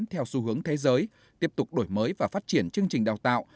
theo xu hướng thế giới tiếp tục đổi mới và phát triển chương trình đào tạo